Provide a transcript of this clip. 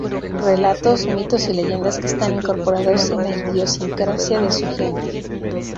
Relatos, mitos y leyendas que están incorporados en la idiosincrasia de su gente.